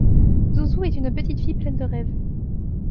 Zouzou est une petite fille pleine de rêves.